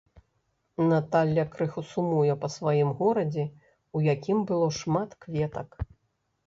Наталля крыху сумуе па сваім горадзе, у якім было шмат кветак.